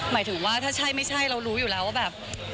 หมายถึงว่าถ้าใช่ไม่ใช่เรารู้อยู่แล้วว่าแบบ